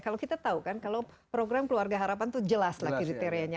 kalau kita tahu kan kalau program keluarga harapan itu jelas lah kriterianya